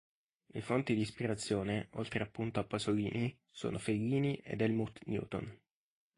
Le fonti di ispirazione, oltre appunto a Pasolini, sono Fellini ed Helmut Newton.